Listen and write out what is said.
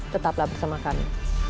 tetaplah bersama kami